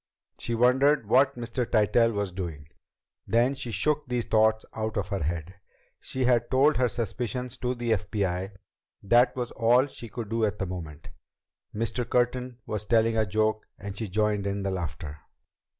She wondered what Mr. Tytell was doing. Then she shook these thoughts out of her head. She had told her suspicions to the FBI. That was all she could do at the moment. Mr. Curtin was telling a joke, and she joined in the laughter.